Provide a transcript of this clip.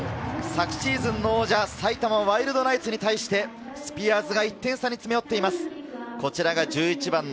昨シーズンの王者・埼玉ワイルドナイツに対して、スピアーズが１点差に詰め寄っています。